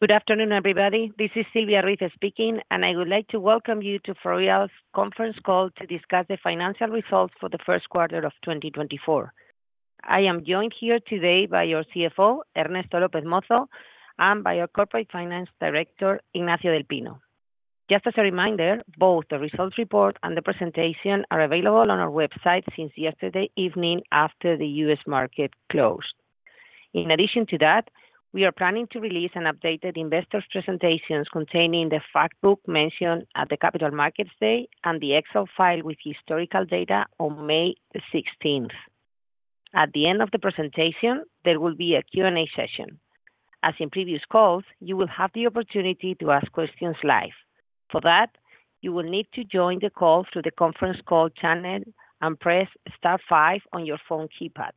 Good afternoon, everybody. This is Silvia Ruiz speaking, and I would like to welcome you to Ferrovial's Conference Call to discuss the financial results for the First Quarter of 2024. I am joined here today by our CFO, Ernesto López Mozo, and by our Corporate Finance Director, Ignacio del Pino. Just as a reminder, both the results report and the presentation are available on our website since yesterday evening after the U.S. market closed. In addition to that, we are planning to release an updated investors' presentations containing the fact book mentioned at the Capital Markets Day and the excel file with historical data on May 16th. At the end of the presentation, there will be a Q&A session. As in previous calls, you will have the opportunity to ask questions live. For that, you will need to join the call through the conference call channel and press Star 5 on your phone keypad.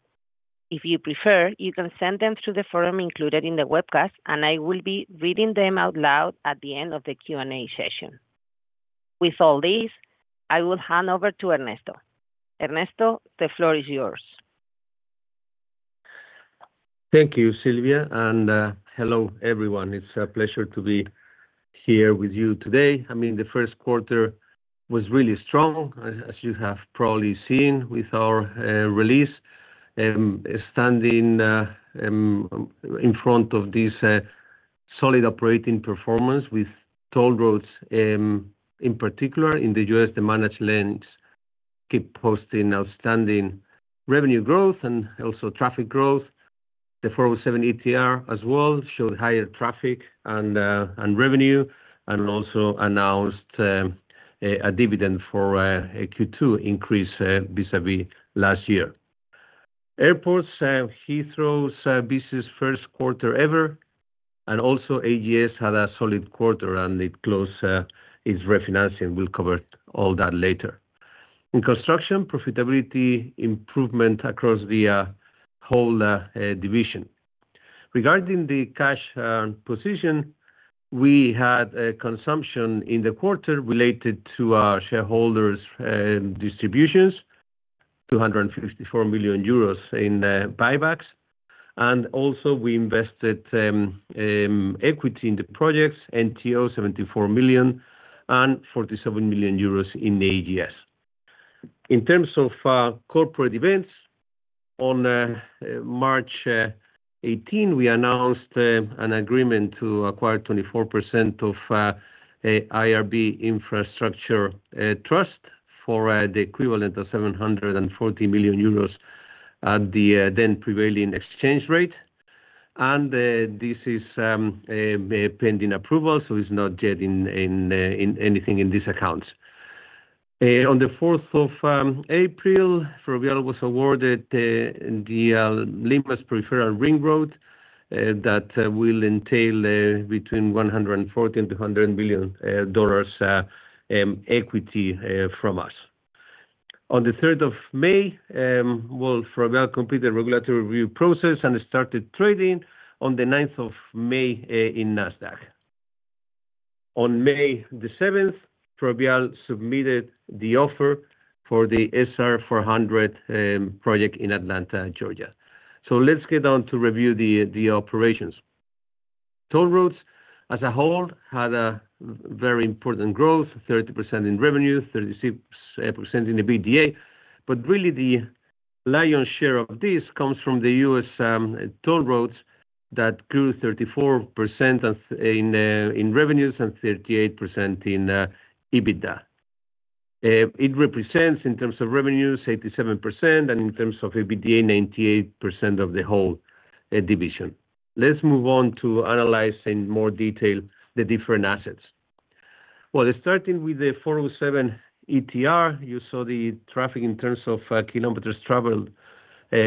If you prefer, you can send them through the forum included in the webcast, and I will be reading them out loud at the end of the Q&A session. With all this, I will hand over to Ernesto. Ernesto, the floor is yours. Thank you, Silvia, and hello everyone. It's a pleasure to be here with you today. I mean, the first quarter was really strong, as you have probably seen with our results standing in front of this solid operating performance with toll roads, in particular in the U.S. The managed lanes keep posting outstanding revenue growth and also traffic growth. The 407 ETR as well showed higher traffic and revenue, and also announced a dividend for Q2 increase vis-à-vis last year. Airports, Heathrow's business first quarter ever, and also AGS had a solid quarter, and it closed its refinancing. We'll cover all that later. In construction, profitability improvement across the whole division. Regarding the cash position, we had consumption in the quarter related to our shareholders distributions, 254 million euros in buybacks, and also we invested equity in the projects, NTO 74 million and 47 million euros in AGS. In terms of corporate events, on March 18th, we announced an agreement to acquire 24% of IRB Infrastructure Trust for the equivalent of 740 million euros at the then prevailing exchange rate. And this is pending approval, so it's not yet in anything in these accounts. On the 4th of April, Ferrovial was awarded the Lima Peripheral Ring Road that will entail between $140-$200 million equity from us. On the 3rd of May, well, Ferrovial completed regulatory review process and started trading on the 9th of May in NASDAQ. On May the 7th, Ferrovial submitted the offer for the SR 400 project in Atlanta, Georgia. So let's get down to review the operations. Toll roads as a whole had a very important growth, 30% in revenue, 36% in EBITDA, but really the lion's share of this comes from the U.S. toll roads that grew 34% in revenues and 38% in EBITDA. It represents, in terms of revenues, 87%, and in terms of EBITDA, 98% of the whole division. Let's move on to analyze in more detail the different assets. Well, starting with the 407 ETR, you saw the traffic in terms of kilometers traveled,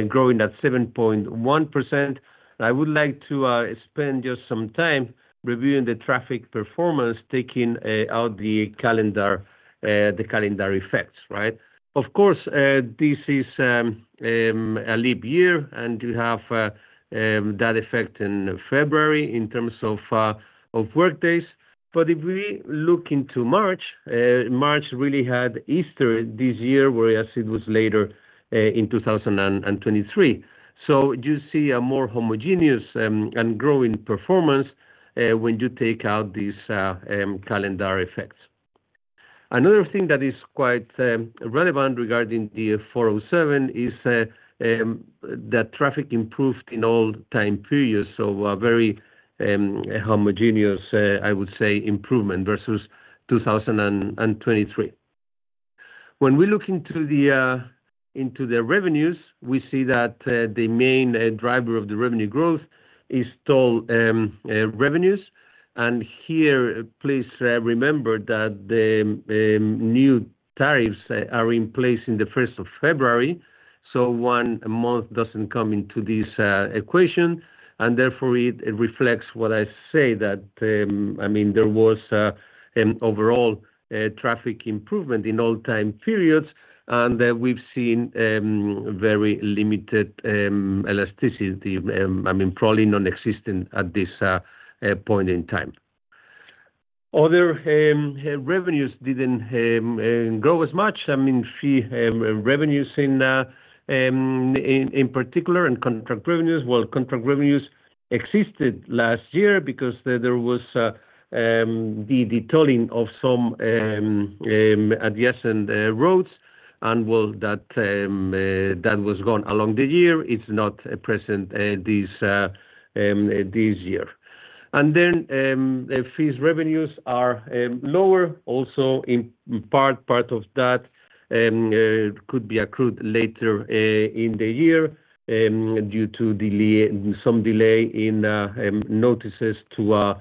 growing at 7.1%. I would like to spend just some time reviewing the traffic performance, taking out the calendar effects, right? Of course, this is a leap year, and you have that effect in February in terms of workdays. But if we look into March, March really had Easter this year whereas it was later in 2023. So you see a more homogeneous and growing performance when you take out these calendar effects. Another thing that is quite relevant regarding the 407 is that traffic improved in all time periods, so a very homogeneous, I would say, improvement versus 2023. When we look into the revenues, we see that the main driver of the revenue growth is toll revenues. And here, please, remember that the new tariffs are in place on the 1st of February, so one month doesn't come into this equation, and therefore it reflects what I say, that I mean there was overall traffic improvement in all time periods, and we've seen very limited elasticity, I mean, probably nonexistent at this point in time. Other revenues didn't grow as much. I mean, fee revenues in particular, and contract revenues. Well, contract revenues existed last year because there was the detolling of some adjacent roads, and well, that was gone along the year. It's not present this year. And then, fee revenues are lower also. In part, that could be accrued later in the year due to some delay in notices to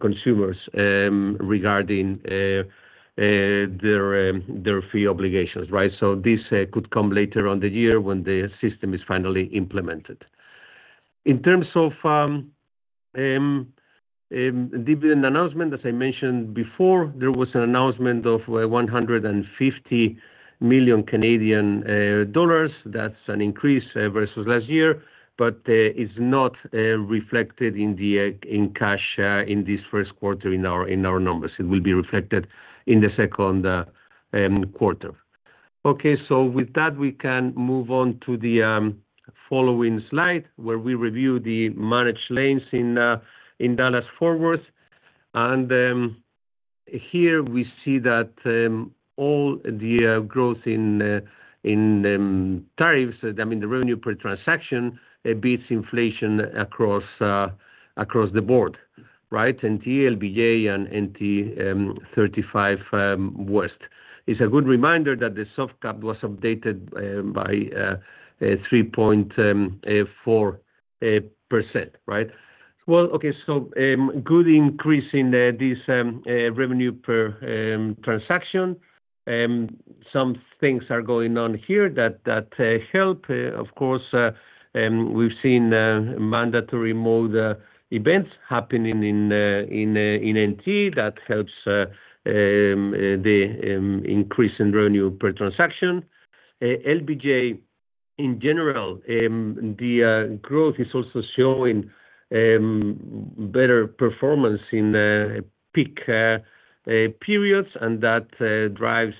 consumers regarding their fee obligations, right? So this could come later in the year when the system is finally implemented. In terms of dividend announcement, as I mentioned before, there was an announcement of $150 million. That's an increase versus last year, but it's not reflected in cash in this first quarter in our numbers. It will be reflected in the second quarter. Okay, so with that, we can move on to the following slide where we review the managed lanes in Dallas-Fort Worth. And here we see that all the growth in tariffs, I mean, the revenue per transaction, beats inflation across the board, right? NTE, LBJ, and NTE 35W. It's a good reminder that the soft cap was updated by 3.4%, right? Well, okay, so good increase in this revenue per transaction. Some things are going on here that help. Of course, we've seen mandatory mode events happening in NTE that helps the increase in revenue per transaction. LBJ, in general, the growth is also showing better performance in peak periods, and that drives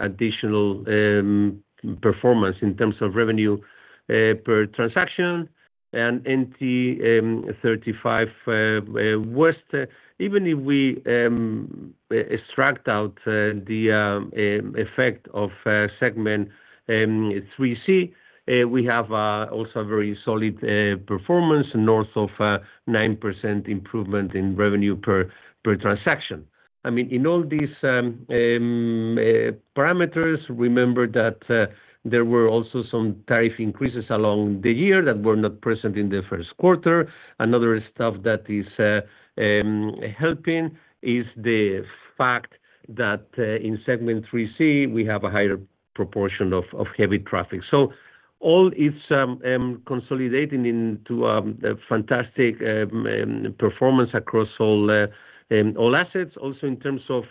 additional performance in terms of revenue per transaction. NTE 35W, even if we extract out the effect of Segment 3C, we have also a very solid performance north of 9% improvement in revenue per per transaction. I mean, in all these parameters, remember that there were also some tariff increases along the year that were not present in the first quarter. Another stuff that is helping is the fact that in Segment 3C we have a higher proportion of of heavy traffic. So all it's consolidating into a fantastic performance across all all assets. Also in terms of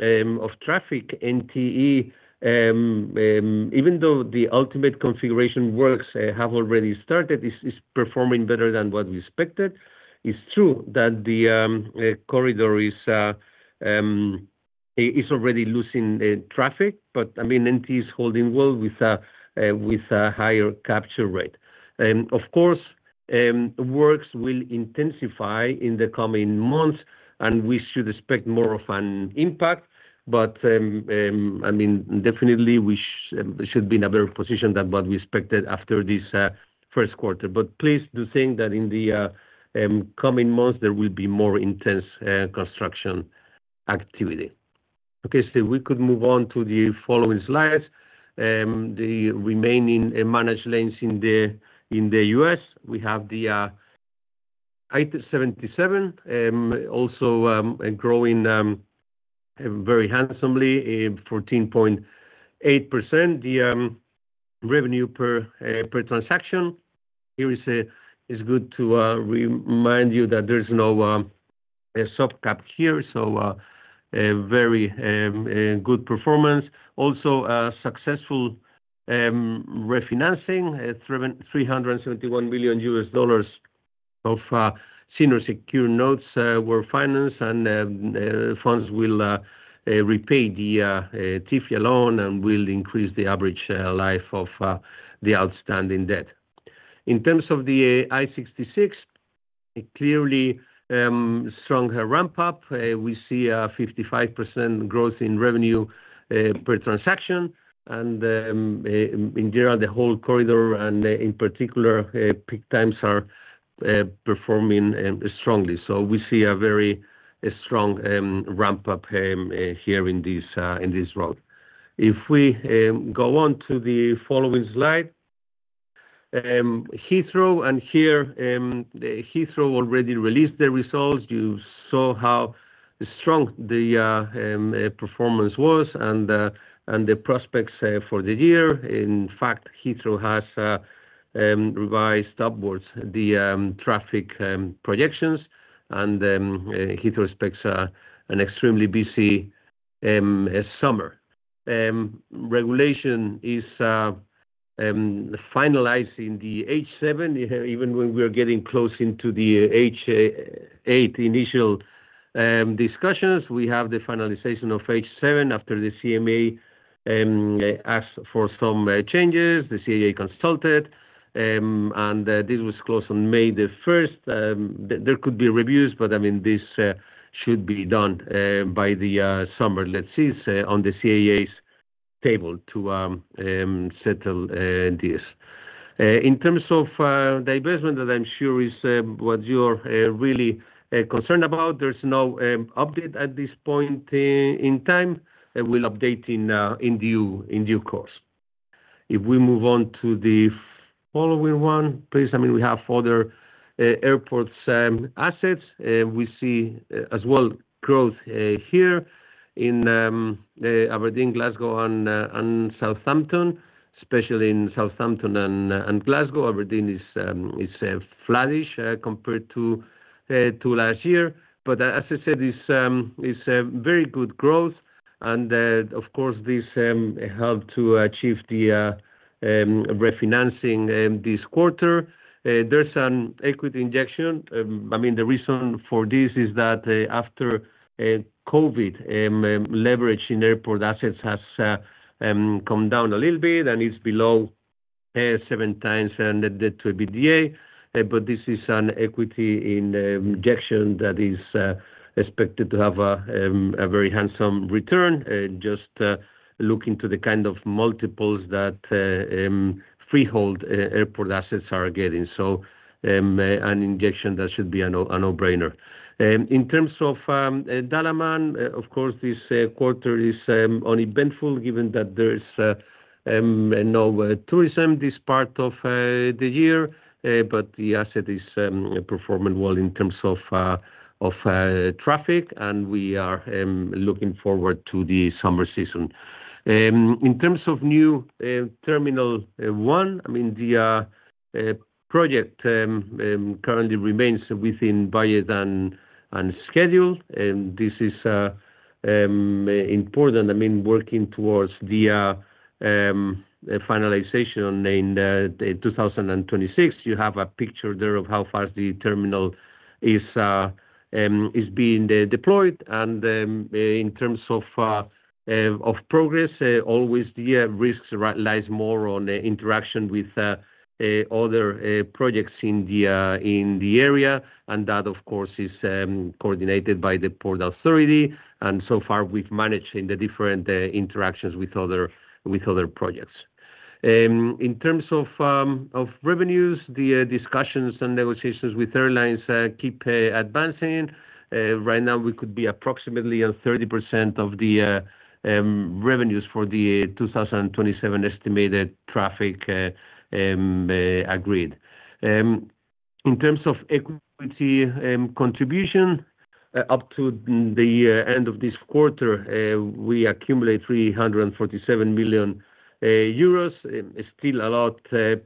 of traffic, NTE, even though the ultimate configuration works have already started, is is performing better than what we expected. It's true that the corridor is is already losing traffic, but I mean, NTE is holding well with with a higher capture rate. Of course, works will intensify in the coming months, and we should expect more of an impact, but, I mean, definitely we should, should be in a better position than what we expected after this first quarter. But please do think that in the coming months there will be more intense construction activity. Okay, so we could move on to the following slides. The remaining managed lanes in the U.S., we have the I-77, also growing very handsomely, 14.8%, the revenue per transaction. Here, it's good to remind you that there's no soft cap here, so very good performance. Also, successful refinancing, $371 million of senior secure notes were financed, and funds will repay the TIFIA loan and will increase the average life of the outstanding debt. In terms of the I-66, it clearly strong ramp-up. We see a 55% growth in revenue per transaction, and in general the whole corridor and, in particular, peak times are performing strongly. So we see a very strong ramp-up here in this route. If we go on to the following slide, Heathrow, and here Heathrow already released their results. You saw how strong the performance was and the prospects for the year. In fact, Heathrow has revised upwards the traffic projections, and Heathrow expects an extremely busy summer. Regulation is finalizing the H7. Even when we are getting close into the H8 initial discussions, we have the finalization of H7 after the CMA asked for some changes. The CAA consulted, and this was closed on May 1st. There could be reviews, but I mean this should be done by the summer. Let's see, it's on the CAA's table to settle this. In terms of divestment that I'm sure is what you're really concerned about, there's no update at this point in time. We'll update in due course. If we move on to the following one, please. I mean, we have other airports assets, and we see as well growth here in Aberdeen, Glasgow, and Southampton, especially in Southampton and Glasgow. Aberdeen is flatish compared to last year, but as I said, it's very good growth, and, of course, this helped to achieve the refinancing this quarter. There's an equity injection. I mean, the reason for this is that, after COVID, leverage in airport assets has come down a little bit, and it's below 7x debt to EBITDA, but this is an equity injection that is expected to have a very handsome return, just looking to the kind of multiples that freehold airport assets are getting. So, an injection that should be a no-brainer. In terms of Dallas managed, of course, this quarter is uneventful given that there's no tourism this part of the year, but the asset is performing well in terms of traffic, and we are looking forward to the summer season. In terms of New Terminal One, I mean, the project currently remains within budget and schedule. This is important. I mean, working towards the finalization in 2026. You have a picture there of how fast the terminal is being deployed, and in terms of progress, always the risks lies more on interaction with other projects in the area, and that, of course, is coordinated by the port authority, and so far we've managed the different interactions with other projects. In terms of revenues, the discussions and negotiations with airlines keep advancing. Right now we could be approximately on 30% of the revenues for the 2027 estimated traffic, agreed. In terms of equity contribution, up to the end of this quarter, we accumulate 347 million euros, still a lot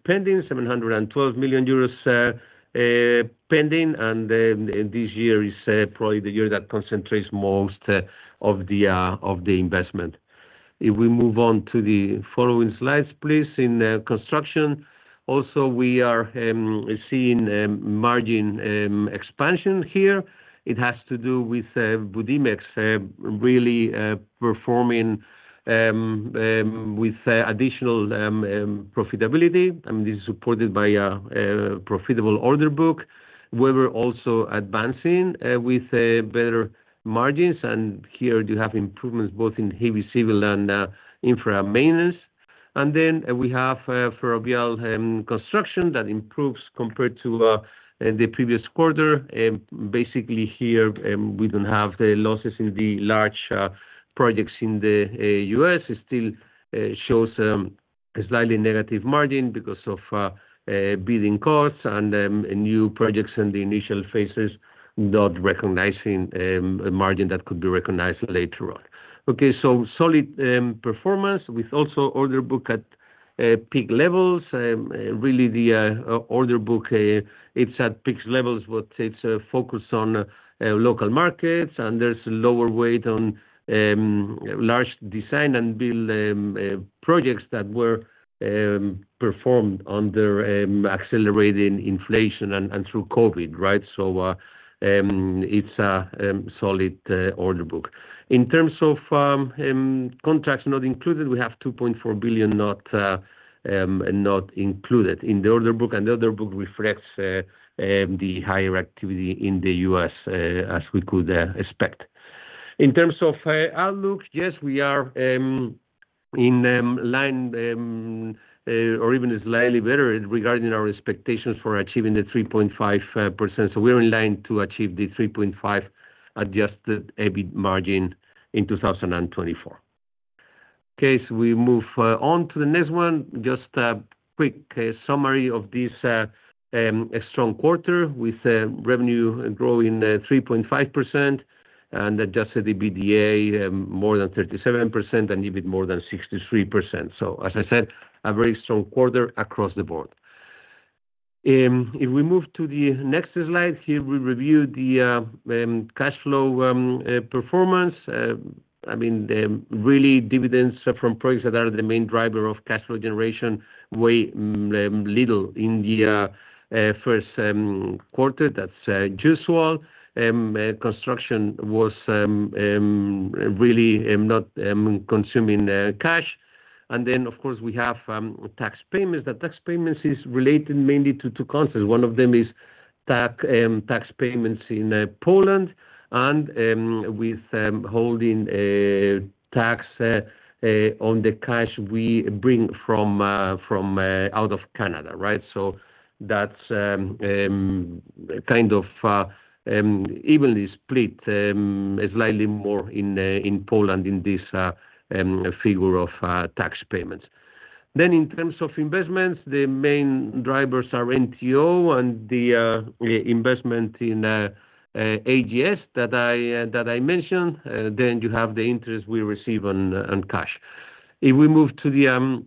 pending, 712 million euros pending, and this year is probably the year that concentrates most of the investment. If we move on to the following slides, please. In construction, also we are seeing margin expansion here. It has to do with Budimex really performing with additional profitability. I mean, this is supported by a profitable order book. We were also advancing with better margins, and here you have improvements both in heavy civil and infra maintenance. Then we have Ferrovial Construction that improves compared to the previous quarter. Basically here, we don't have the losses in the large projects in the U.S. It still shows a slightly negative margin because of bidding costs and new projects in the initial phases not recognizing a margin that could be recognized later on. Okay, so solid performance with also order book at peak levels. Really the order book, it's at peak levels, but it's focused on local markets, and there's a lower weight on large design and build projects that were performed under accelerating inflation and through COVID, right? So, it's a solid order book. In terms of contracts not included, we have $2.4 billion not included in the order book, and the order book reflects the higher activity in the U.S., as we could expect. In terms of outlook, yes, we are in line, or even slightly better regarding our expectations for achieving the 3.5%. So we're in line to achieve the 3.5% adjusted EBIT margin in 2024. Okay, so we move on to the next one. Just a quick summary of this strong quarter with revenue growing 3.5% and adjusted EBITDA more than 37% and EBIT more than 63%. So, as I said, a very strong quarter across the board. If we move to the next slide, here we review the cash flow performance. I mean, really dividends from projects that are the main driver of cash flow generation were little in the first quarter. That's usual. Construction was really not consuming cash. And then, of course, we have tax payments. The tax payments is related mainly to two concepts. One of them is tax payments in Poland and withholding tax on the cash we bring from out of Canada, right? So that's kind of evenly split, slightly more in Poland in this figure of tax payments. Then in terms of investments, the main drivers are NTO and the investment in AGS that I mentioned. Then you have the interest we receive on cash. If we move to the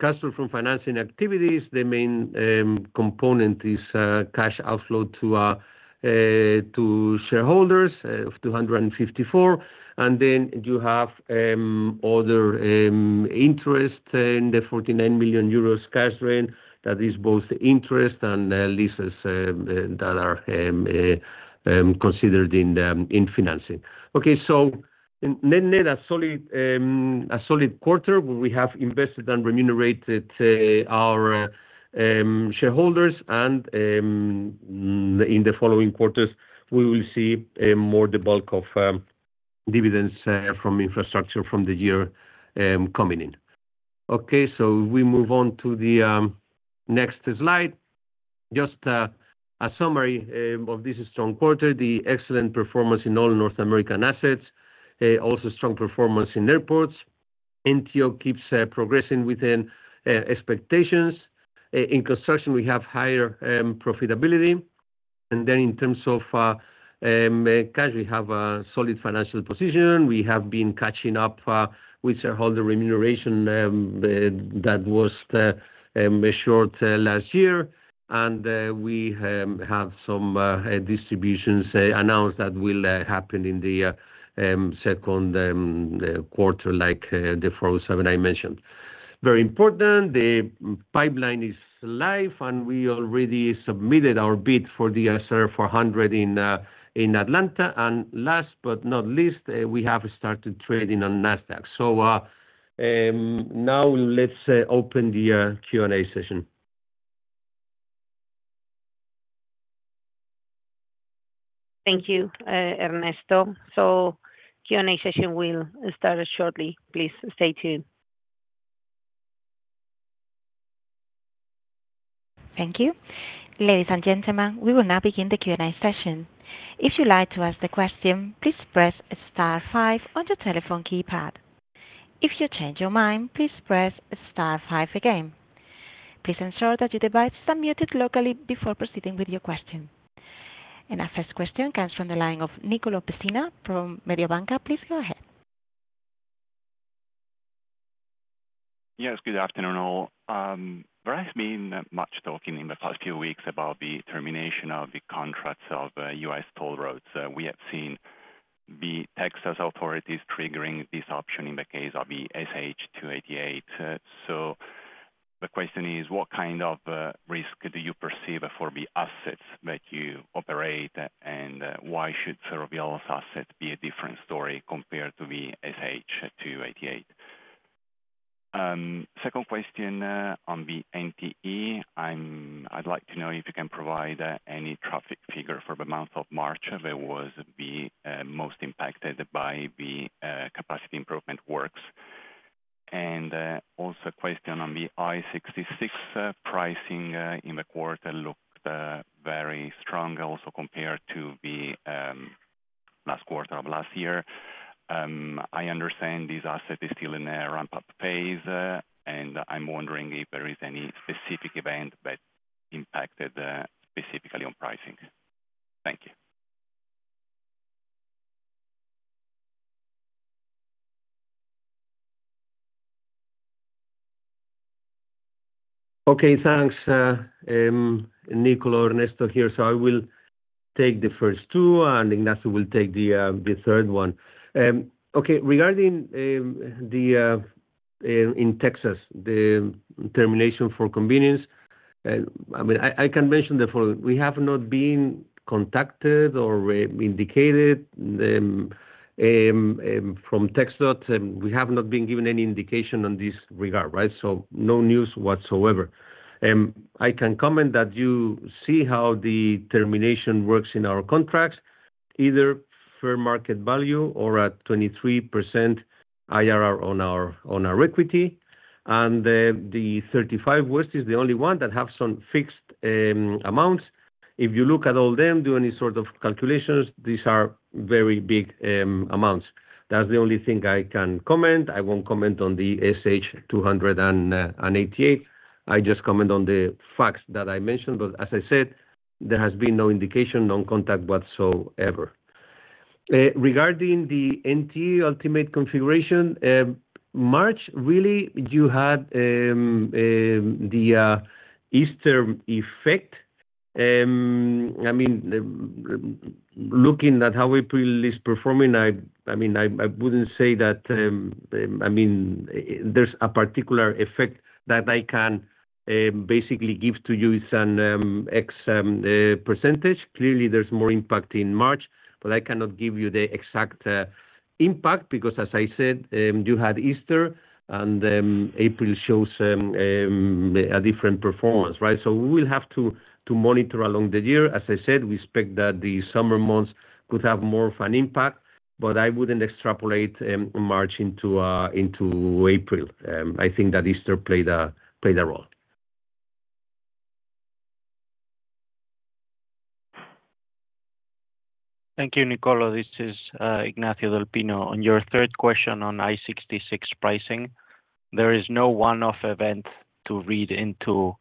cash flow from financing activities, the main component is cash outflow to shareholders of 254 million, and then you have other interest in the 49 million euros cash drain that is both interest and leases that are considered in financing. Okay, so net, net a solid, a solid quarter where we have invested and remunerated our shareholders, and in the following quarters we will see more the bulk of dividends from infrastructure from the year coming in. Okay, so if we move on to the next slide, just a summary of this strong quarter, the excellent performance in all North American assets, also strong performance in airports. NTO keeps progressing within expectations. In construction we have higher profitability. And then in terms of cash we have a solid financial position. We have been catching up with shareholder remuneration that was assured last year, and we have some distributions announced that will happen in the second quarter like the 407 I mentioned. Very important, the pipeline is live and we already submitted our bid for the SR 400 in Atlanta, and last but not least, we have started trading on NASDAQ. So, now let's open the Q&A session. Thank you, Ernesto. Q&A session will start shortly. Please stay tuned. Thank you. Ladies and gentlemen, we will now begin the Q&A session. If you'd like to ask the question, please press star five on your telephone keypad. If you change your mind, please press star five again. Please ensure that your device is unmuted locally before proceeding with your question. Our first question comes from the line of Nicolò Pessina from Mediobanca. Please go ahead. Yes, good afternoon all. There has been much talking in the past few weeks about the termination of the contracts of U.S. toll roads. We have seen the Texas authorities triggering this option in the case of the SH 288. So the question is, what kind of risk do you perceive for the assets that you operate, and why should Ferrovial's assets be a different story compared to the SH 288? Second question, on the NTE, I'd like to know if you can provide any traffic figure for the month of March that was the most impacted by the capacity improvement works. Also a question on the I-66, pricing in the quarter looked very strong also compared to the last quarter of last year. I understand this asset is still in a ramp-up phase, and I'm wondering if there is any specific event that impacted specifically on pricing. Thank you. Okay, thanks. Nicolò, Ernesto here. So I will take the first two, and Ignacio will take the third one. Okay, regarding in Texas, the termination for convenience, I mean, I can mention the following: we have not been contacted or indicated from TxDOT, we have not been given any indication on this regard, right? So no news whatsoever. I can comment that you see how the termination works in our contracts, either fair market value or at 23% IRR on our equity, and the 35W is the only one that have some fixed amounts. If you look at all them, do any sort of calculations, these are very big amounts. That's the only thing I can comment. I won't comment on the SH 288. I just comment on the facts that I mentioned, but as I said, there has been no indication, no contact whatsoever. Regarding the NTE ultimate configuration, March really you had the Easter effect. I mean, looking at how April is performing, I mean, I wouldn't say that, I mean, there's a particular effect that I can basically give to you as an exact percentage. Clearly there's more impact in March, but I cannot give you the exact impact because, as I said, you had Easter and April shows a different performance, right? So we will have to monitor along the year. As I said, we expect that the summer months could have more of an impact, but I wouldn't extrapolate March into April. I think that Easter played a role. Thank you, Nicolo. This is Ignacio del Pino. On your third question on I-66 pricing, there is no one-off event to read into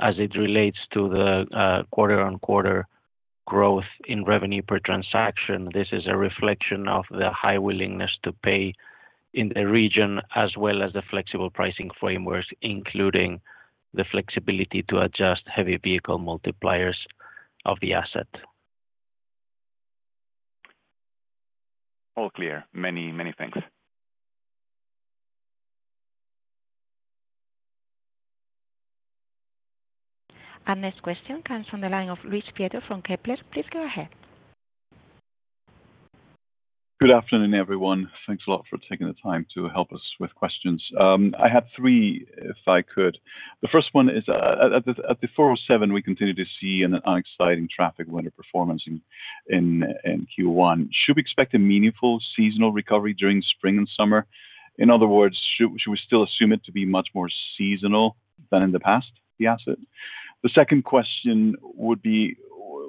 as it relates to the quarter-on-quarter growth in revenue per transaction. This is a reflection of the high willingness to pay in the region as well as the flexible pricing frameworks, including the flexibility to adjust heavy vehicle multipliers of the asset. All clear. Many, many thanks. This question comes from the line of Luis Prieto from Kepler. Please go ahead. Good afternoon, everyone. Thanks a lot for taking the time to help us with questions. I had three, if I could. The first one is, at the 407 we continue to see an unexciting traffic winter performance in Q1. Should we expect a meaningful seasonal recovery during spring and summer? In other words, should we still assume it to be much more seasonal than in the past, the asset? The second question would be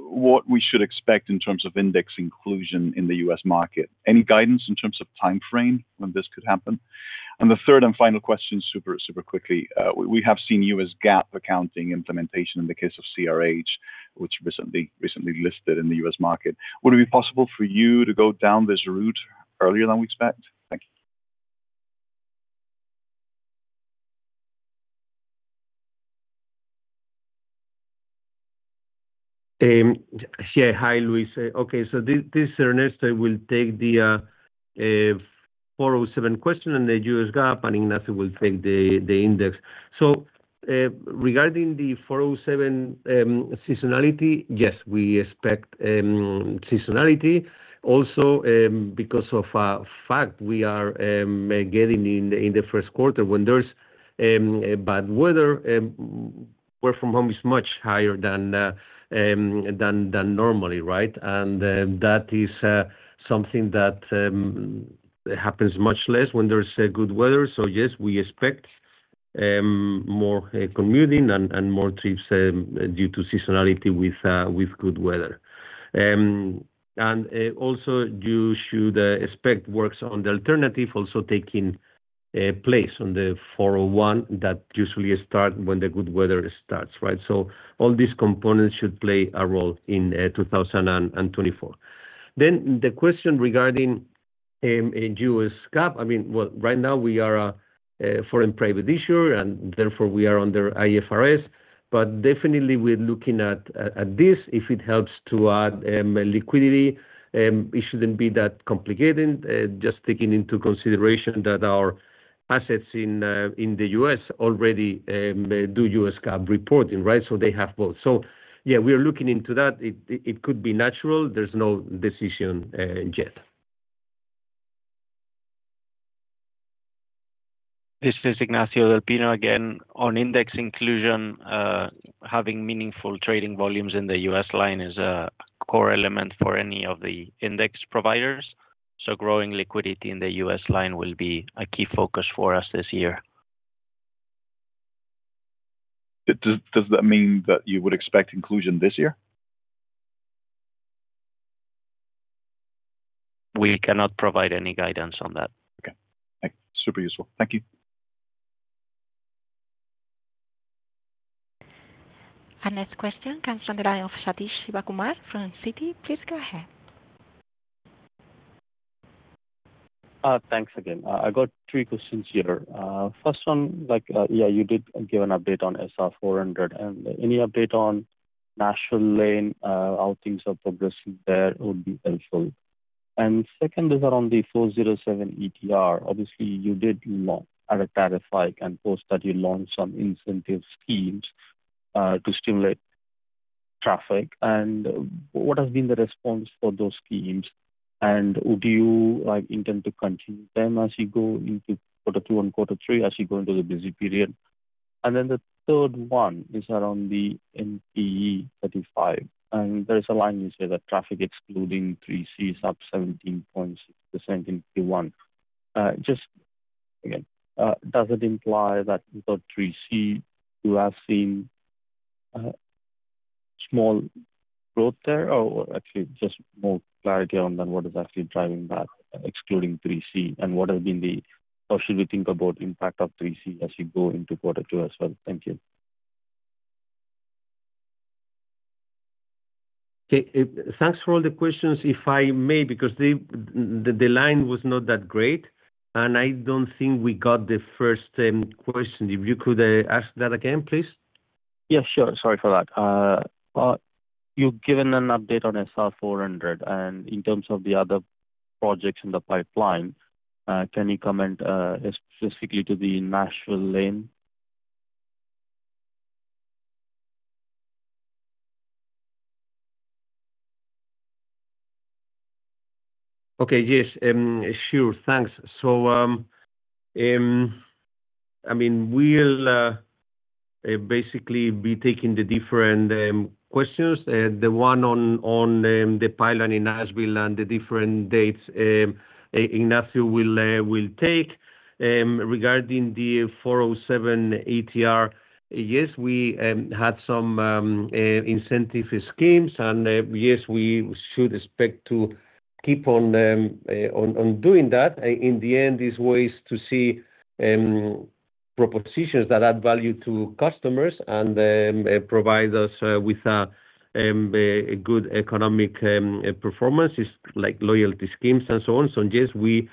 what we should expect in terms of index inclusion in the U.S. market. Any guidance in terms of timeframe when this could happen? And the third and final question, super, super quickly, we have seen U.S. GAAP accounting implementation in the case of CRH, which recently listed in the U.S. market. Would it be possible for you to go down this route earlier than we expect? Thank you. Yeah, hi, Luis. Okay, so Ernesto will take the 407 question and the U.S. GAAP, and Ignacio will take the index. So, regarding the 407, seasonality, yes, we expect seasonality. Also, because of a fact we are getting in the first quarter when there's bad weather, work from home is much higher than normally, right? And that is something that happens much less when there's good weather. So yes, we expect more commuting and more trips due to seasonality with good weather. And also you should expect works on the alternative also taking place on the 401 that usually start when the good weather starts, right? So all these components should play a role in 2024. Then the question regarding U.S. GAAP, I mean, well, right now we are a Foreign Private Issuer and therefore we are under IFRS, but definitely we're looking at, at this if it helps to add liquidity, it shouldn't be that complicated, just taking into consideration that our assets in, in the U.S. already do U.S. GAAP reporting, right? So yeah, we are looking into that. It, it could be natural. There's no decision yet. This is Ignacio del Pino again. On index inclusion, having meaningful trading volumes in the U.S. line is a core element for any of the index providers. So growing liquidity in the U.S. line will be a key focus for us this year. Does that mean that you would expect inclusion this year? We cannot provide any guidance on that. Okay. Super useful. Thank you. Next question comes from the line of Sathish Sivakumar from Citi. Please go ahead. Oh, thanks again. I got 3 questions here. First one, like, yeah, you did give an update on SR 400, and any update on Tennessee, how things are progressing there would be helpful. And second, these are on the 407 ETR. Obviously, you did at a tariff hike and post that you launched some incentive schemes, to stimulate traffic. And what has been the response for those schemes, and do you, like, intend to continue them as you go into Q2 and Q3 as you go into the busy period? And then the third one is around the NTE 35, and there is a line you say that traffic excluding 3C is up 17.6% in Q1. Just again, does it imply that without 3C you have seen small growth there, or actually just more clarity on then what is actually driving that excluding 3C, and what has been the how should we think about impact of 3C as you go into quarter two as well? Thank you. Okay, thanks for all the questions, if I may, because the line was not that great, and I don't think we got the first question. If you could ask that again, please. Yeah, sure. Sorry for that. Well, you've given an update on SR 400, and in terms of the other projects in the pipeline, can you comment, specifically to the Nashville? Okay, yes. Sure. Thanks. So, I mean, we'll basically be taking the different questions, the one on the pipeline in Nashville and the different dates. Ignacio will take. Regarding the 407 ETR, yes, we had some incentive schemes, and yes, we should expect to keep on doing that. In the end, it's ways to see propositions that add value to customers and provide us with a good economic performance, like loyalty schemes and so on. So yes, we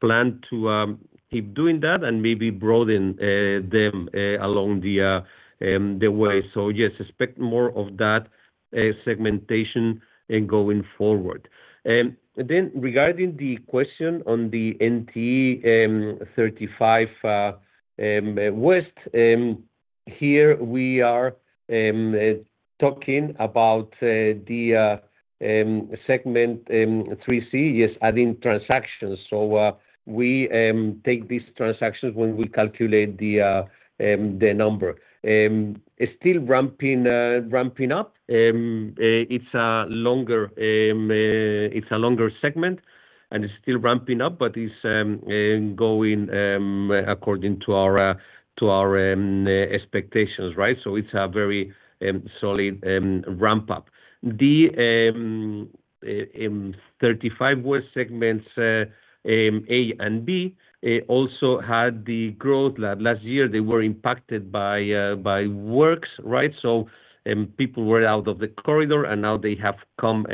plan to keep doing that and maybe broaden them along the way. So yes, expect more of that segmentation going forward. Then regarding the question on the NTE 35 West, here we are talking about the segment 3C, yes, adding transactions. So, we take these transactions when we calculate the number. Still ramping up. It's a longer segment, and it's still ramping up, but it's going according to our expectations, right? So it's a very solid ramp-up. The 35 West segments A and B also had the growth that last year they were impacted by works, right? So people were out of the corridor, and now they have come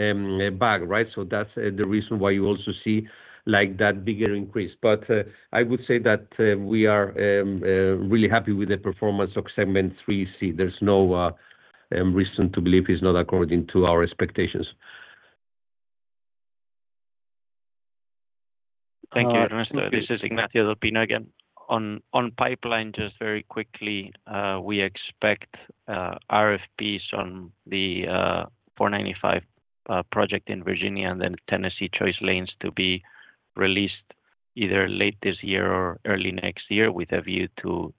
back, right? So that's the reason why you also see, like, that bigger increase. But I would say that we are really happy with the performance of segment 3C. There's no reason to believe it's not according to our expectations. Thank you, Ernesto. This is Ignacio del Pino again. On pipeline, just very quickly, we expect RFPs on the 495 project in Virginia and then Tennessee Choice Lanes to be released either late this year or early next year with a view to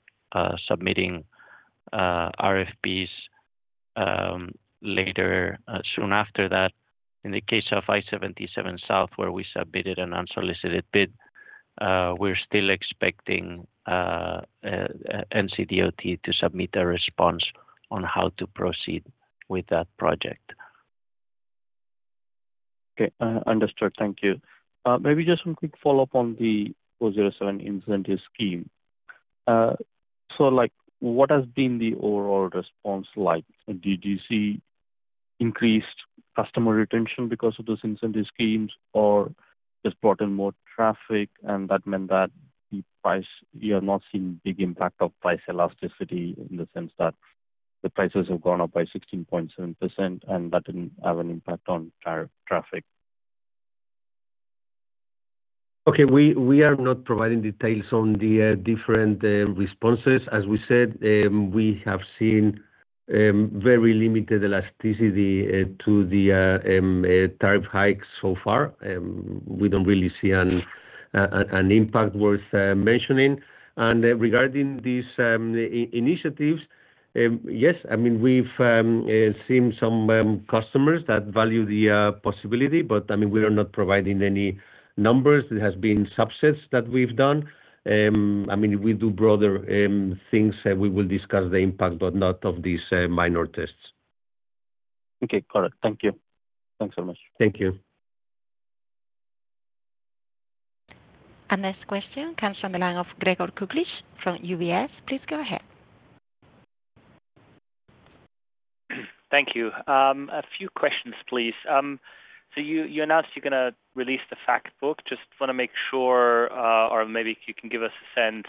submitting RFPs later, soon after that. In the case of I-77 South where we submitted an unsolicited bid, we're still expecting NCDOT to submit a response on how to proceed with that project. Okay. Understood. Thank you. Maybe just some quick follow-up on the 407 incentive scheme. So, like, what has been the overall response like? Did you see increased customer retention because of those incentive schemes, or just brought in more traffic, and that meant that the price you have not seen big impact of price elasticity in the sense that the prices have gone up by 16.7% and that didn't have an impact on tariff traffic? Okay. We are not providing details on the different responses. As we said, we have seen very limited elasticity to the tariff hikes so far. We don't really see an impact worth mentioning. And, regarding these initiatives, yes, I mean, we've seen some customers that value the possibility, but I mean, we are not providing any numbers. It has been subsets that we've done. I mean, we do broader, things, and we will discuss the impact, but not of these, minor tests. Okay. Got it. Thank you. Thanks so much. Thank you. Next question comes from the line of Gregor Kuglitsch from UBS. Please go ahead. Thank you. A few questions, please. So you announced you're going to release the Fact Book. Just want to make sure, or maybe if you can give us a sense,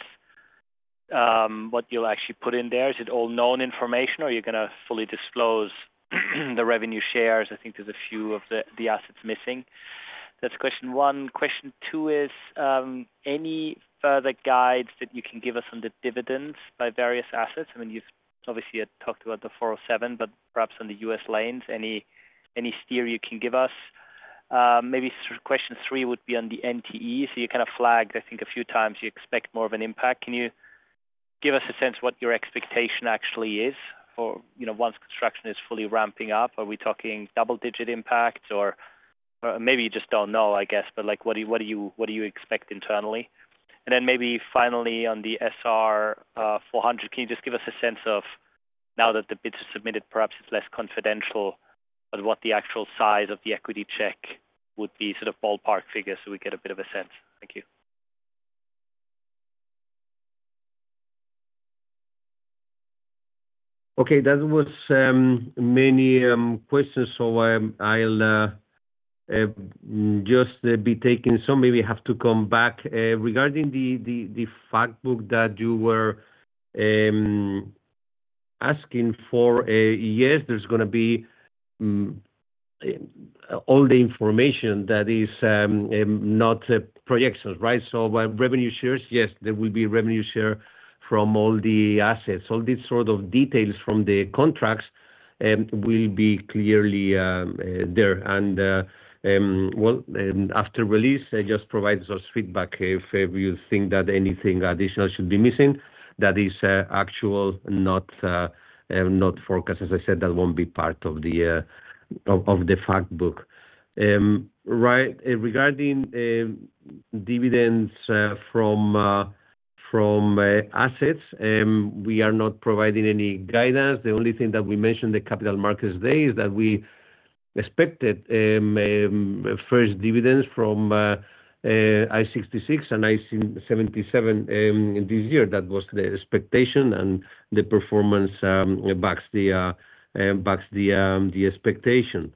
what you'll actually put in there. Is it all known information, or are you going to fully disclose the revenue shares? I think there's a few of the assets missing. That's question one. Question two is, any further guides that you can give us on the dividends by various assets? I mean, you've obviously talked about the 407, but perhaps on the U.S. lanes, any steer you can give us. Maybe question three would be on the NTE. So you kind of flagged, I think, a few times you expect more of an impact. Can you give us a sense what your expectation actually is for, you know, once construction is fully ramping up? Are we talking double-digit impacts, or maybe you just don't know, I guess, but, like, what do you what do you what do you expect internally? And then maybe finally on the SR 400, can you just give us a sense of now that the bids are submitted, perhaps it's less confidential, but what the actual size of the equity check would be, sort of ballpark figure, so we get a bit of a sense? Thank you. Okay. That was many questions, so I'll just be taking some. Maybe I have to come back regarding the fact book that you were asking for. Yes, there's going to be all the information that is not projections, right? So revenue shares, yes, there will be revenue share from all the assets. All these sort of details from the contracts will be clearly there. And well, after release, just provide us feedback if you think that anything additional should be missing that is actual, not forecast. As I said, that won't be part of the fact book, right. Regarding dividends from assets, we are not providing any guidance. The only thing that we mentioned the Capital Markets Day is that we expected first dividends from I-66 and I-77 this year. That was the expectation, and the performance backs the expectation.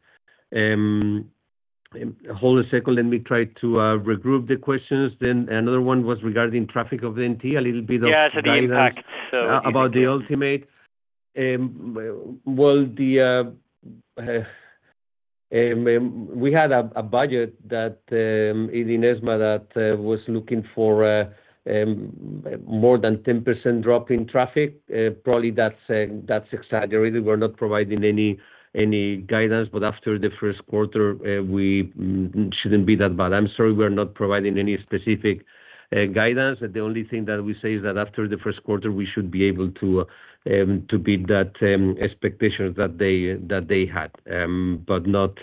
Hold a second. Let me try to regroup the questions. Then another one was regarding traffic of the NTE, a little bit of guidance. Yeah, so the impact, so. About the ultimate, well, we had a budget that in EMMA was looking for more than 10% drop in traffic. Probably that's exaggerated. We're not providing any guidance, but after the first quarter, we shouldn't be that bad. I'm sorry, we're not providing any specific guidance. The only thing that we say is that after the first quarter we should be able to beat that expectations that they had, but not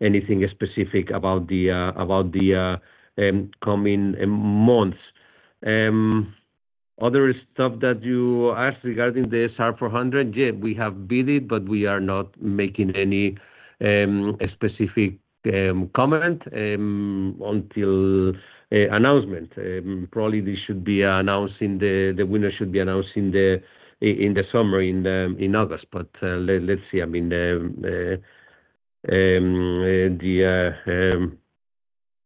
anything specific about the coming months. Other stuff that you asked regarding the SR 400, yeah, we have bid it, but we are not making any specific comment until announcement. Probably this should be announcing the winner in the summer, in August, but let's see. I mean,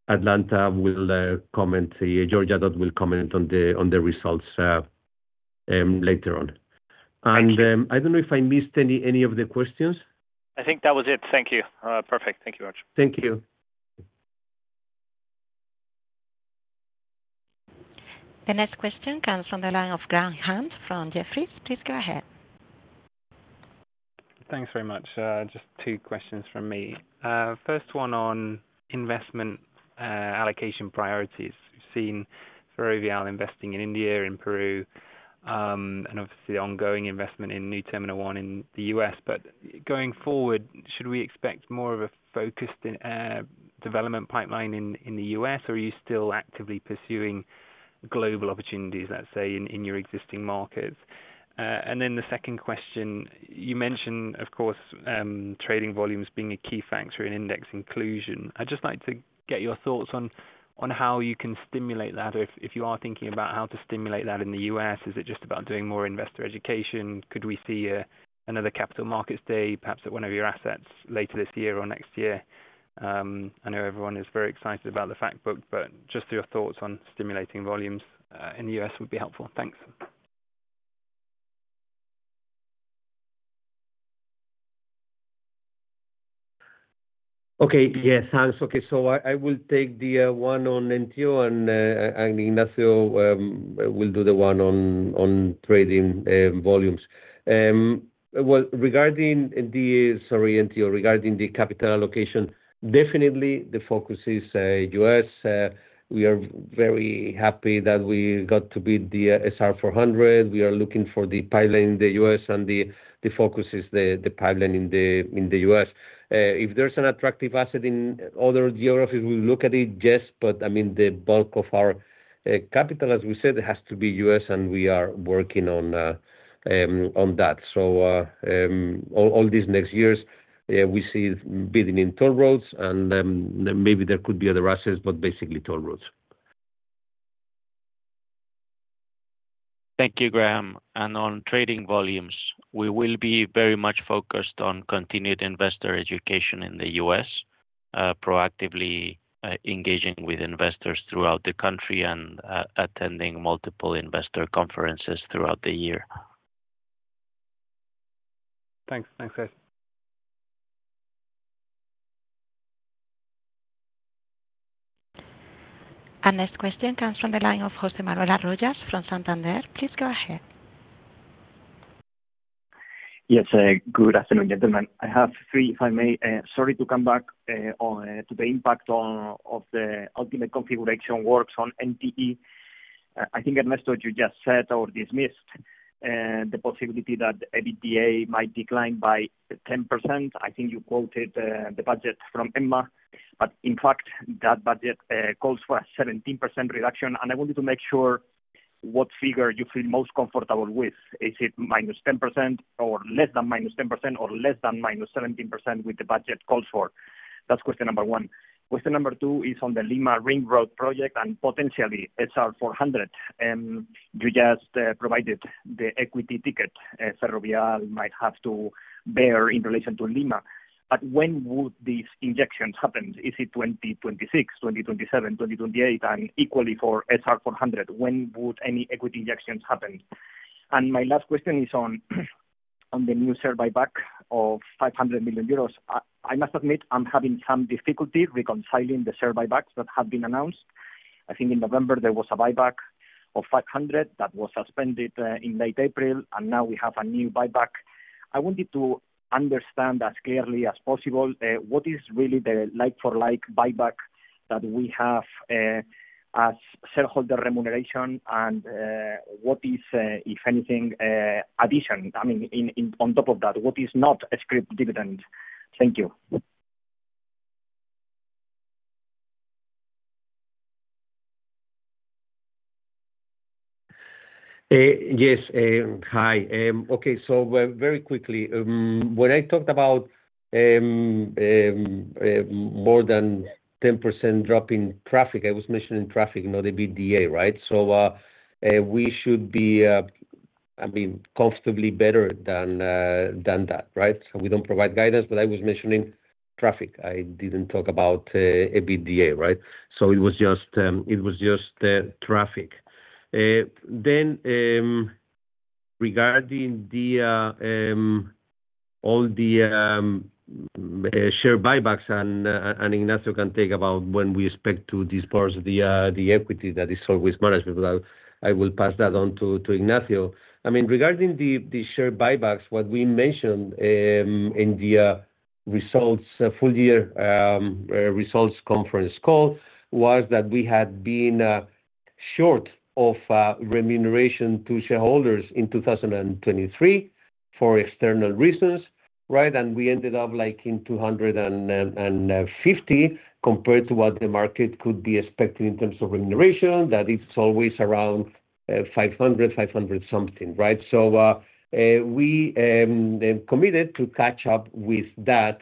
Atlanta will comment, Georgia DOT will comment on the results later on. I don't know if I missed any, any of the questions. I think that was it. Thank you. Perfect. Thank you very much. Thank you. The next question comes from the line of Graham Hunt from Jefferies. Please go ahead. Thanks very much. Just two questions from me. First one on investment allocation priorities. We've seen Ferrovial investing in India, in Peru, and obviously the ongoing investment in New Terminal One in the U.S.. But going forward, should we expect more of a focused in development pipeline in, in the U.S., or are you still actively pursuing global opportunities, let's say, in, in your existing markets? And then the second question, you mentioned, of course, trading volumes being a key factor in index inclusion. I'd just like to get your thoughts on, on how you can stimulate that. Or if, if you are thinking about how to stimulate that in the U.S., is it just about doing more investor education? Could we see another Capital Markets Day, perhaps at one of your assets later this year or next year? I know everyone is very excited about the Fact Book, but just your thoughts on stimulating volumes in the U.S. would be helpful. Thanks. Okay. Yeah, thanks. Okay. So I will take the one on NTO, and Ignacio will do the one on trading volumes. Well, regarding the sorry, NTO, regarding the capital allocation, definitely the focus is U.S.. We are very happy that we got to beat the SR400. We are looking for the pipeline in the U.S., and the focus is the pipeline in the US. If there's an attractive asset in other geographies, we'll look at it, yes, but I mean, the bulk of our capital, as we said, has to be US, and we are working on that. So, all these next years, we see bidding in toll roads, and then maybe there could be other assets, but basically toll roads. Thank you, Graham. On trading volumes, we will be very much focused on continued investor education in the U.S., proactively engaging with investors throughout the country and attending multiple investor conferences throughout the year. Thanks. Thanks, guys. Next question comes from the line of José Manuel Arroyas from Santander. Please go ahead. Yes. Good afternoon, gentlemen. I have 3, if I may, sorry to come back, on, to the impact on, of the ultimate configuration works on NTE. I think Ernesto, you just said or dismissed, the possibility that EBITDA might decline by 10%. I think you quoted, the budget from EMMA, but in fact, that budget, calls for a 17% reduction. I wanted to make sure what figure you feel most comfortable with. Is it -10% or less than -10% or less than -17% with the budget calls for? That's question number 1. Question number 2 is on the Lima Ring Road project and potentially SR400. You just, provided the equity hit, Ferrovial might have to bear in relation to Lima. But when would these injections happen? Is it 2026, 2027, 2028, and equally for SR400? When would any equity injections happen? My last question is on the new share buyback of 500 million euros. I must admit I'm having some difficulty reconciling the share buybacks that have been announced. I think in November there was a buyback of 500 million that was suspended in late April, and now we have a new buyback. I wanted to understand as clearly as possible what is really the like-for-like buyback that we have as shareholder remuneration, and what is, if anything, addition. I mean, in on top of that, what is not a scrip dividend? Thank you. Yes. Hi. Okay. So, very quickly, when I talked about more than 10% drop in traffic, I was mentioning traffic, not ABTA, right? So, we should be, I mean, comfortably better than that, right? So we don't provide guidance, but I was mentioning traffic. I didn't talk about ABTA, right? So it was just traffic. Then, regarding all the share buybacks, and Ignacio can talk about when we expect to disburse the equity that is always managed, but I will pass that on to Ignacio. I mean, regarding the share buybacks, what we mentioned in the full year results conference call was that we had been short of remuneration to shareholders in 2023 for external reasons, right? And we ended up, like, in 250 compared to what the market could be expecting in terms of remuneration, that it's always around 500, 500-something, right? So we committed to catch up with that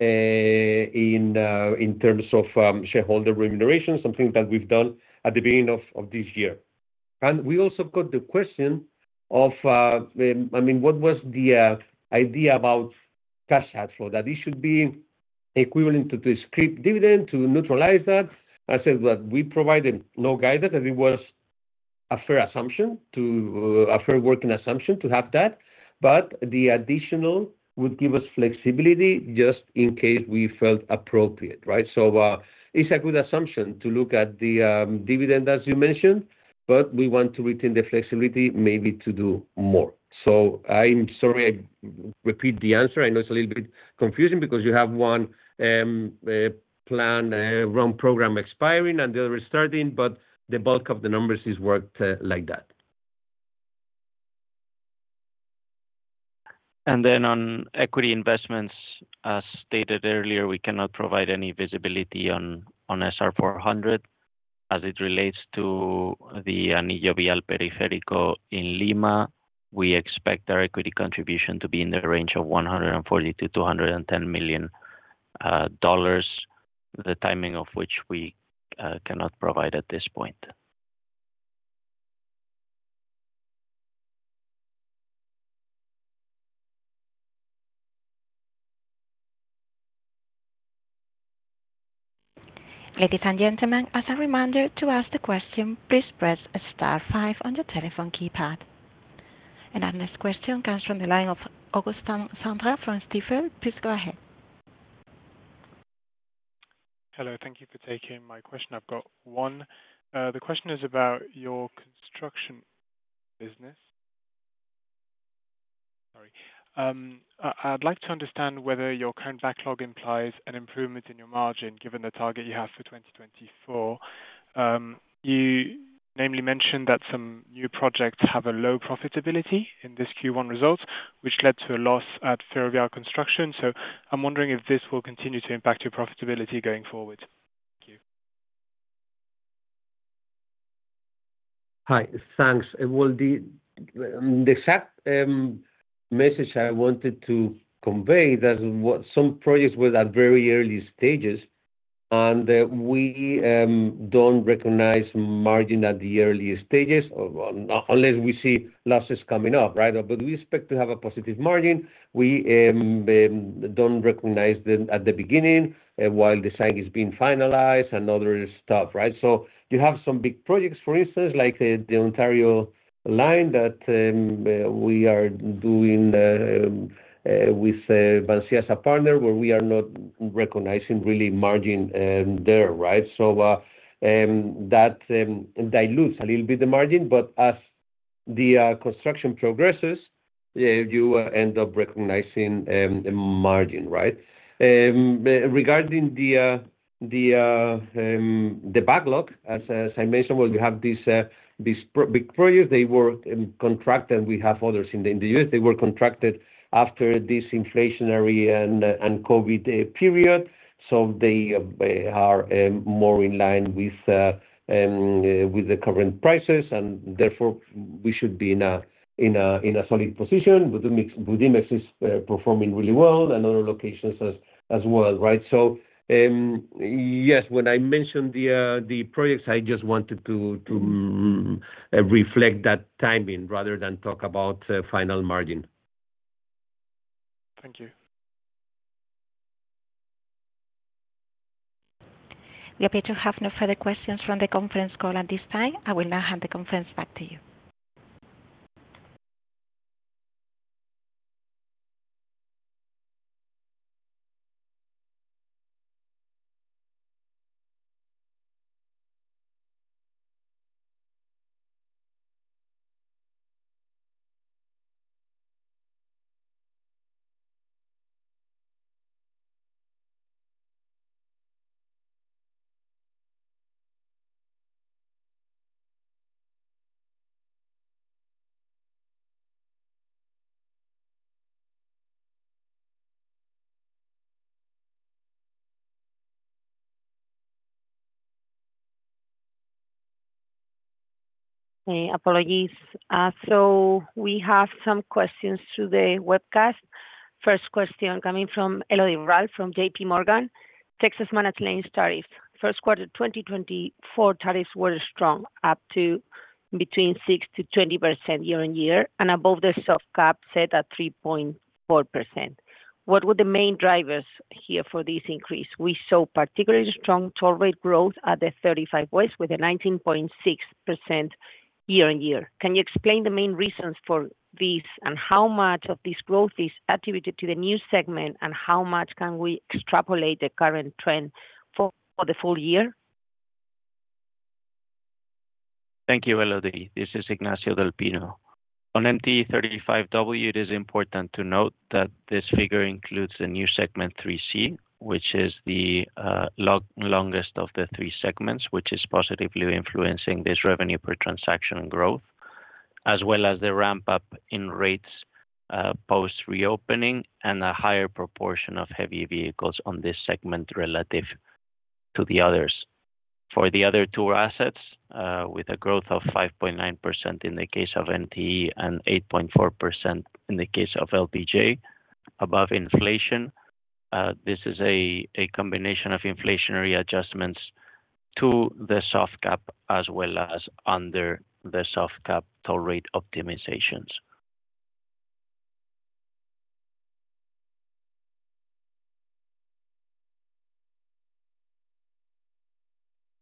in terms of shareholder remuneration, something that we've done at the beginning of this year. We also got the question of, I mean, what was the idea about cash outflow? That it should be equivalent to the scrip dividend to neutralize that. I said that we provided no guidance, and it was a fair assumption, a fair working assumption to have that, but the additional would give us flexibility just in case we felt appropriate, right? So it's a good assumption to look at the dividend, as you mentioned, but we want to retain the flexibility maybe to do more. So I'm sorry I repeat the answer. I know it's a little bit confusing because you have one plan run program expiring and the other starting, but the bulk of the numbers is worked like that. Then on equity investments, as stated earlier, we cannot provide any visibility on SR 400. As it relates to the Anillo Vial Periférico in Lima, we expect our equity contribution to be in the range of $140 million-$210 million, the timing of which we cannot provide at this point. Ladies and gentlemen, as a reminder to ask the question, please press star five on your telephone keypad. Our next question comes from the line of Augustin Cendre from Stifel. Please go ahead. Hello. Thank you for taking my question. I've got one. The question is about your construction business. Sorry. I'd like to understand whether your current backlog implies an improvement in your margin given the target you have for 2024. You namely mentioned that some new projects have a low profitability in this Q1 results, which led to a loss at Ferrovial Construction. So I'm wondering if this will continue to impact your profitability going forward. Thank you. Hi. Thanks. Well, the fact message I wanted to convey that what some projects were at very early stages, and we don't recognize margin at the early stages, or unless we see losses coming up, right? But we expect to have a positive margin. We don't recognize the at the beginning, while the site is being finalized and other stuff, right? So you have some big projects, for instance, like the Ontario Line that we are doing with Vinci as a partner, where we are not recognizing really margin there, right? So that dilutes a little bit the margin, but as the construction progresses, you end up recognizing a margin, right? Regarding the backlog, as I mentioned, well, you have these very big projects, they were contracted, and we have others in the US. They were contracted after this inflationary and COVID period, so they are more in line with the current prices, and therefore we should be in a solid position. Budimex is performing really well, and other locations as well, right? So, yes, when I mentioned the projects, I just wanted to reflect that timing rather than talk about final margin. Thank you. We appear to have no further questions from the conference call at this time. I will now hand the conference back to you. Hey. Apologies. So we have some questions through the webcast. First question coming from Elodie Rall from JPMorgan, Texas Managed Lane Tariffs. First quarter 2024, tariffs were strong, up to between 6%-20% year-on-year, and above the soft cap set at 3.4%. What were the main drivers here for this increase? We saw particularly strong toll rate growth at the 35 West with a 19.6% year-on-year. Can you explain the main reasons for this and how much of this growth is attributed to the new segment, and how much can we extrapolate the current trend for the full year? Thank you, Elodie. This is Ignacio del Pino. On NTE 35W, it is important to note that this figure includes the new segment 3C, which is the longest of the three segments, which is positively influencing this revenue per transaction growth, as well as the ramp-up in rates, post-reopening and a higher proportion of heavy vehicles on this segment relative to the others. For the other two assets, with a growth of 5.9% in the case of NTE and 8.4% in the case of LBJ, above inflation, this is a combination of inflationary adjustments to the soft cap as well as under the soft cap toll rate optimizations.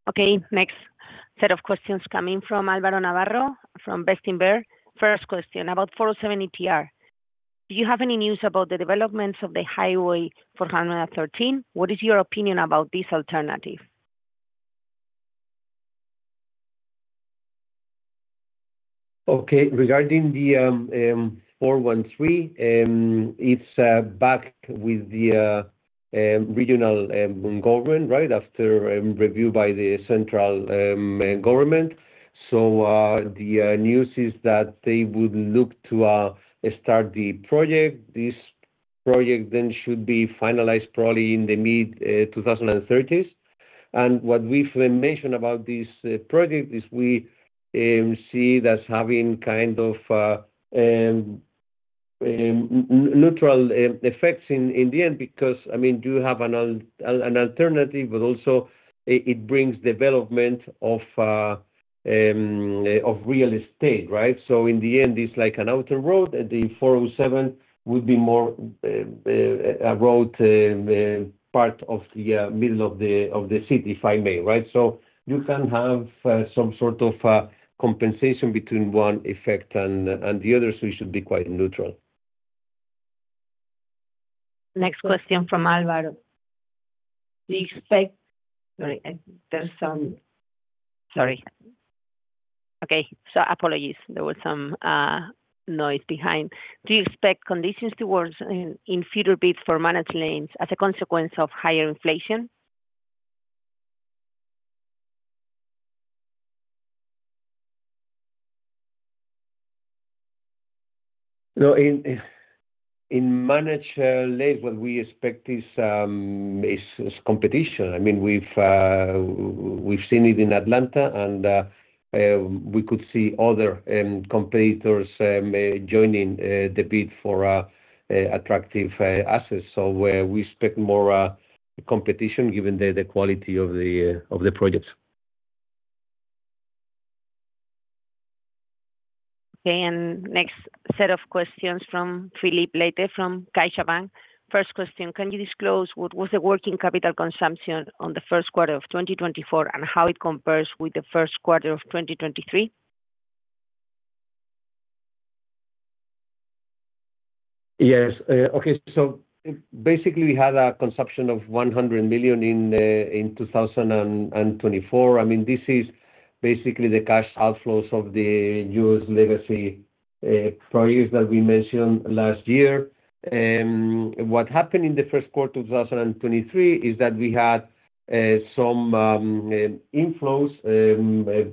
Okay. Next set of questions coming from Álvaro Navarro from Bestinver. First question about 407 ETR. Do you have any news about the developments of the Highway 413? What is your opinion about this alternative? Okay. Regarding the 413, it's back with the regional government, right, after review by the central government. So, the news is that they would look to start the project. This project then should be finalized probably in the mid-2030s. And what we've mentioned about this project is we see it as having kind of neutral effects in the end because, I mean, you have an alternative, but also, it brings development of real estate, right? So in the end, it's like an outer road, and the 407 would be more a road part of the middle of the city, if I may, right? So you can have some sort of compensation between one effect and the other, so it should be quite neutral. Next question from Álvaro. Okay. So apologies. There was some noise behind. Do you expect conditions to worsen in future bids for managed lanes as a consequence of higher inflation? No, in managed lanes, what we expect is competition. I mean, we've seen it in Atlanta, and we could see other competitors joining the bid for attractive assets. So, we expect more competition given the quality of the projects. Okay. And next set of questions from Filipe Leite from CaixaBank. First question, can you disclose what was the working capital consumption on the first quarter of 2024 and how it compares with the first quarter of 2023? Yes. Okay. So, basically, we had a consumption of 100 million in 2024. I mean, this is basically the cash outflows of the U.S. legacy projects that we mentioned last year. What happened in the first quarter of 2023 is that we had some inflows,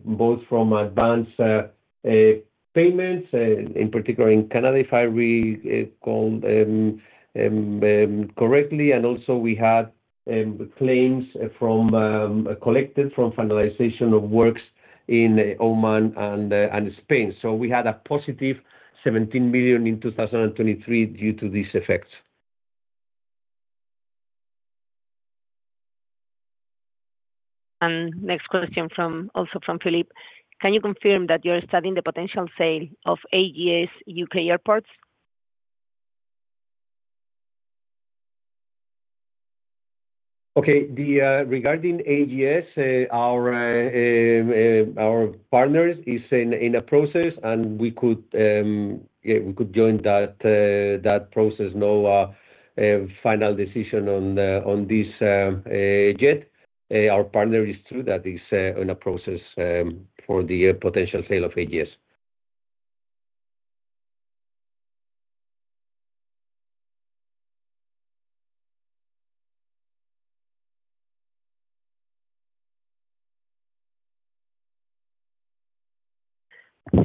both from advance payments, in particular in Canada, if I recall correctly, and also we had claims collected from finalization of works in Oman and Spain. So we had a positive 17 million in 2023 due to these effects. Next question also from Filipe. Can you confirm that you're studying the potential sale of AGS Airports? Okay. Regarding AGS, our partner is in a process, and we could, yeah, we could join that process. No final decision on this yet. Our partner is through that. It's in a process for the potential sale of AGS.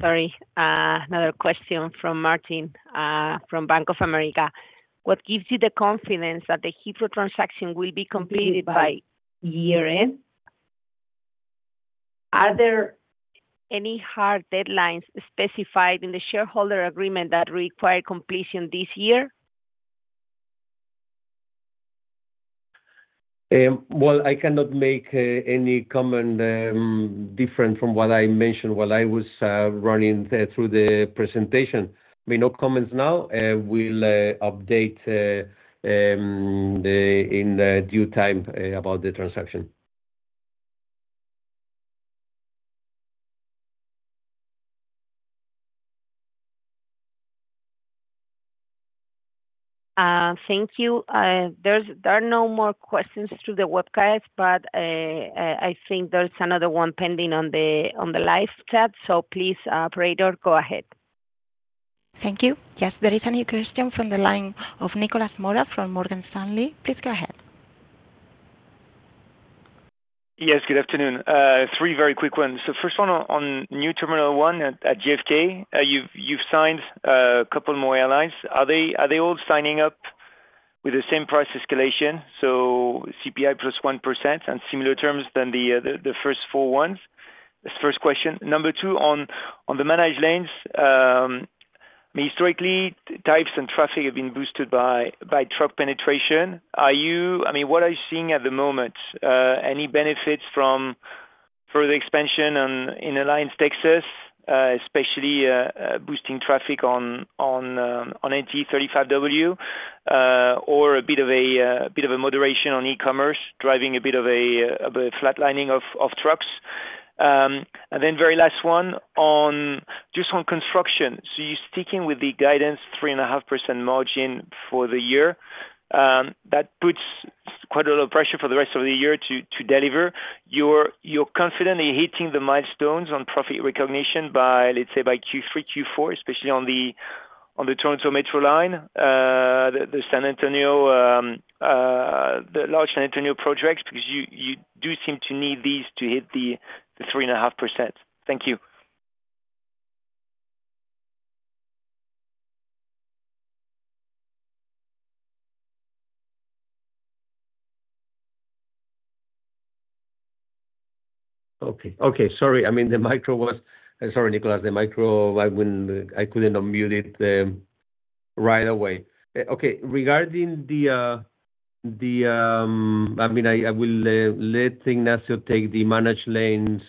Sorry. Another question from Marcin, from Bank of America. What gives you the confidence that the Heathrow transaction will be completed by year-end? Are there any hard deadlines specified in the shareholder agreement that require completion this year? Well, I cannot make any comment different from what I mentioned while I was running through the presentation. I mean, no comments now. We'll update in due time about the transaction. Thank you. There are no more questions through the webcast, but I think there's another one pending on the live chat, so please, operator, go ahead. Thank you. Yes, there is a new question from the line of Nicolas Mora from Morgan Stanley. Please go ahead. Yes. Good afternoon. Three very quick ones. So first one, on New Terminal One at JFK, you've signed a couple more airlines. Are they all signing up with the same price escalation, so CPI +1% and similar terms than the first four ones? That's the first question. Number 2, on the managed lanes, I mean, historically, tolls and traffic have been boosted by truck penetration. Are you, I mean, what are you seeing at the moment? Any benefits from further expansion in AllianceTexas, especially boosting traffic on NTE 35W, or a bit of a moderation on e-commerce driving a bit of a flatlining of trucks? And then very last one, on construction. So you're sticking with the guidance, 3.5% margin for the year. that puts quite a lot of pressure for the rest of the year to deliver. You're confidently hitting the milestones on profit recognition by, let's say, Q3, Q4, especially on the Toronto Metro Line, the San Antonio, the large San Antonio projects because you do seem to need these to hit the 3.5%. Thank you. Okay. Sorry. I mean, the mic was sorry, Nicolas. The mic, I when I couldn't unmute it right away. Okay. Regarding the, the, I mean, I, I will let Ignacio take the managed lanes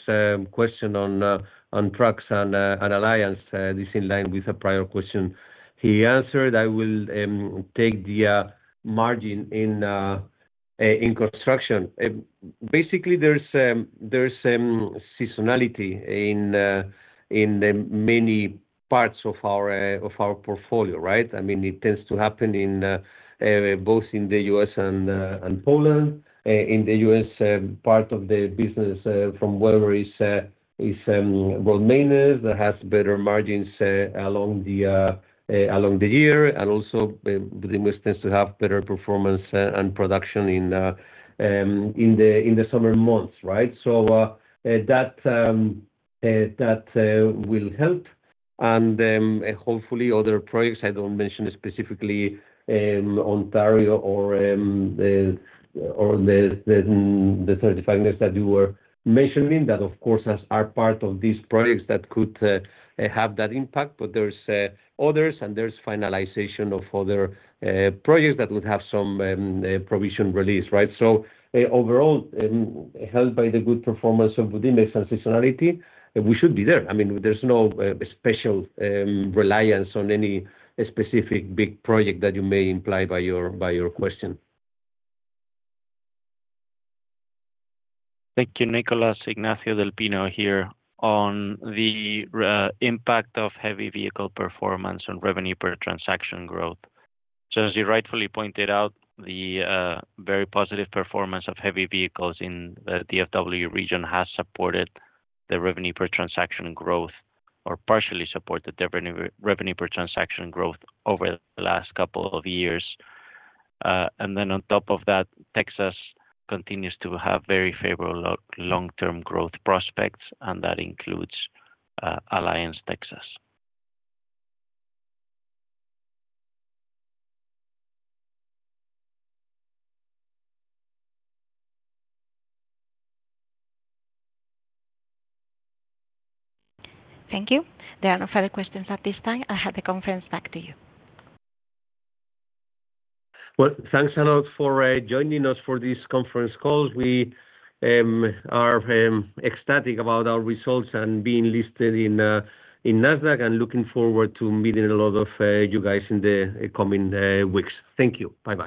question on trucks and Alliance. This is in line with a prior question he answered. I will take the margin in construction. Basically, there's seasonality in many parts of our portfolio, right? I mean, it tends to happen in both in the U.S. and Poland. In the U.S., part of the business, from wherever is road maintenance that has better margins along the year, and also, Budimex tends to have better performance and production in the summer months, right? So, that will help. Hopefully, other projects I don't mention specifically, Ontario or the 35W that you were mentioning that, of course, are part of these projects that could have that impact, but there are others, and there's finalization of other projects that would have some provision release, right? So, overall, helped by the good performance of Budimex and seasonality, we should be there. I mean, there's no special reliance on any specific big project that you may imply by your question. Thank you, Nicholas. Ignacio del Pino here on the impact of heavy vehicle performance on revenue per transaction growth. So as you rightfully pointed out, the very positive performance of heavy vehicles in the DFW region has supported the revenue per transaction growth or partially supported the revenue revenue per transaction growth over the last couple of years. And then on top of that, Texas continues to have very favorable long-term growth prospects, and that includes AllianceTexas. Thank you. There are no further questions at this time. I'll hand the conference back to you. Well, thanks a lot for joining us for this conference call. We are ecstatic about our results and being listed in NASDAQ and looking forward to meeting a lot of you guys in the coming weeks. Thank you. Bye-bye.